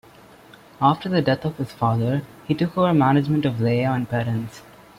After the death of his father, he took over management of Lea and Perrins.